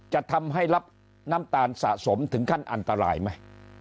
จะทำให้รับน้ำตาลสะสมถึงขั้นอันตรายไหม